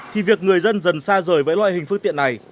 thì việc người dân dần xa rời với loại hình phương tiện này